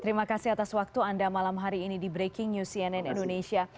terima kasih atas waktu anda malam hari ini di breaking news cnn indonesia